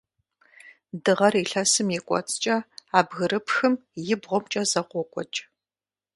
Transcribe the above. Дыгъэр илъэсым и кӏуэцӏкӏэ, а бгырыпхым и бгъумкӏэ зэ къокӏуэкӏ.